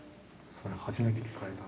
それ初めて聞かれたな。